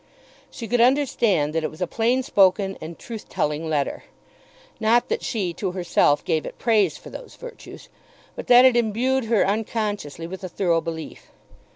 She could understand that it was a plain spoken and truth telling letter. Not that she, to herself, gave it praise for those virtues; but that it imbued her unconsciously with a thorough belief.